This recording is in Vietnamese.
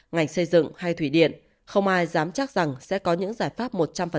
ngành xây dựng hay thủy điện không ai dám chắc rằng sẽ có những giải pháp một trăm linh